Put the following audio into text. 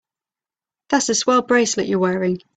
That's a swell bracelet you're wearing.